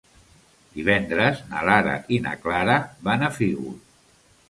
Divendres na Lara i na Clara van a Fígols.